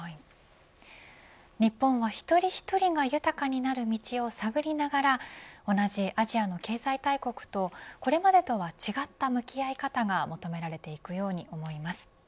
日本は一人一人が豊かになる道を探りながら同じアジアの経済大国とこれまでとは違った向き合い方が求められていくように思います。